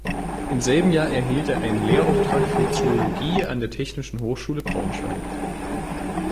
Im selben Jahr erhielt er einen Lehrauftrag für Zoologie an der Technischen Hochschule Braunschweig.